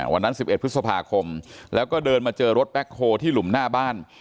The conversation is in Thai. วันนั้น๑๑พฤษภาคมแล้วก็เดินมาเจอรถแบ็คโฮที่หลุมหน้าบ้าน